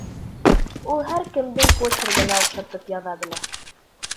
Ул һәр кемдең почергына оҡшатып яҙа белә!